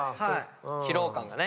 疲労感がね。